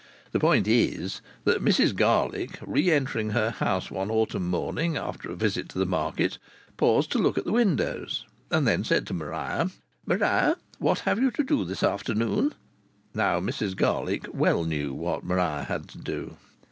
The point is that Mrs Garlick, re entering her house one autumn morning after a visit to the market, paused to look at the windows, and then said to Maria: "Maria, what have you to do this afternoon?" Now Mrs Garlick well knew what Maria had to do.